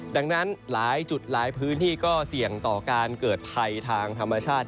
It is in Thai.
ดังนั้นหลายจุดหลายพื้นที่ก็เสี่ยงต่อการเกิดภัยทางธรรมชาติ